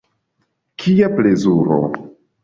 Kia plezuro!